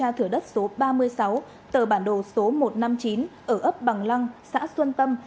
ra thửa đất số ba mươi sáu tờ bản đồ số một trăm năm mươi chín ở ấp bằng lăng xã xuân tâm